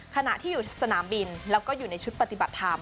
ขณะที่อยู่สนามบินแล้วก็อยู่ในชุดปฏิบัติธรรม